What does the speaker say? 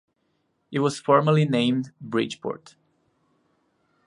It was formerly named "Bridgeport".